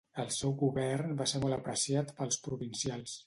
El seu govern va ser molt apreciat pels provincials.